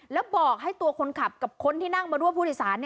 แล้วบอกให้ตัวคนขับกับคนที่นั่งมารั่วพุทธศาสตร์